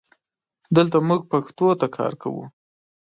دلته مونږ پښتو ته کار کوو